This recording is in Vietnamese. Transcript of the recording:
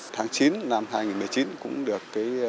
tháng chín năm hai nghìn một mươi chín cũng được